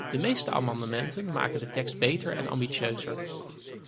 De meeste amendementen maken de tekst beter en ambitieuzer.